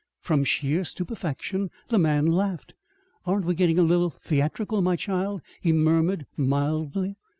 From sheer stupefaction the man laughed. "Aren't we getting a little theatrical, my child?" he murmured mildly.